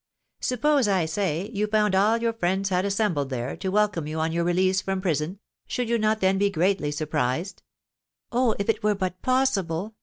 "Suppose, I say, you found all your friends had assembled there, to welcome you on your release from prison, should you not then be greatly surprised?" "Oh, if it were but possible!